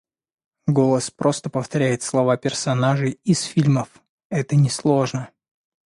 Голос просто повторяет слова персонажей из фильмов, это несложно.